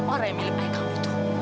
orang yang milik ayah kamu itu